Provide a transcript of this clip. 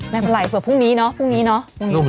ไม่เป็นไรเผื่อพรุ่งนี้เนาะพรุ่งนี้เนาะ